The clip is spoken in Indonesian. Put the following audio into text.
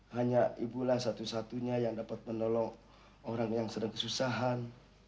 hanya ibulah satu satunya yang dapat menolong orang yang sedang kesusahan